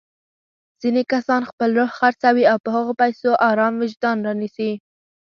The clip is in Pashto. ځيني کسان خپل روح خرڅوي او په هغو پيسو ارام وجدان رانيسي.